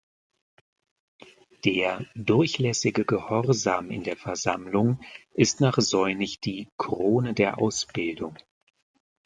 Der „durchlässige Gehorsam in der Versammlung“ ist nach Seunig die „Krone der Ausbildung“.